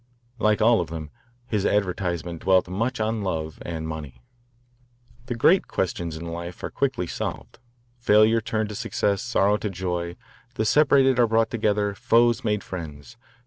Like all of them his advertisement dwelt much on love and money: The great questions of life are quickly solved, failure turned to success, sorrow to joy, the separated are brought together, foes made friends.